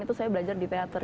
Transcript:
itu saya belajar di teater